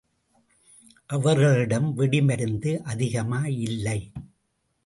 அவர்களிடம் வெடிமருந்து அதிகமாயில்லை.